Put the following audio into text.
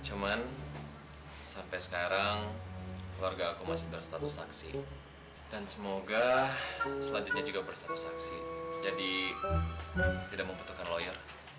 cuman sampai sekarang keluarga aku masih berstatus saksi dan semoga selanjutnya juga berstatus saksi jadi tidak membutuhkan lawyer